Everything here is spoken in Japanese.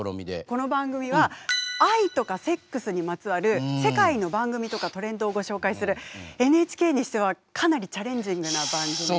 この番組は愛とかセックスにまつわる世界の番組とかトレンドをご紹介するＮＨＫにしてはかなりチャレンジングな番組でして。